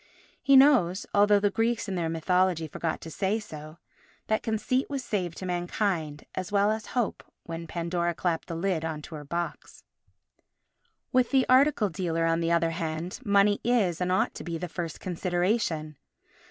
He knows, although the Greeks in their mythology forgot to say so, that Conceit was saved to mankind as well as Hope when Pandora clapped the lid on to her box. With the article dealer, on the other hand, money is, and ought to be, the first consideration.